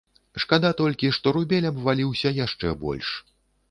Шкада толькі, што рубель абваліўся яшчэ больш.